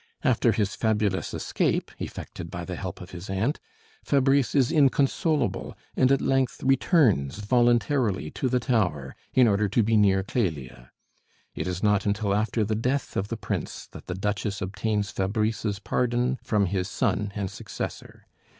After his fabulous escape, effected by the help of his aunt, Fabrice is inconsolable, and at length returns voluntarily to the tower in order to be near Clélia. It is not until after the death of the Prince that the Duchess obtains Fabrice's pardon from his son and successor.